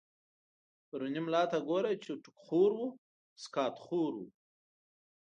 پرو ني ملا ته ګوره، چی ټو ک خور و سقا ط خورو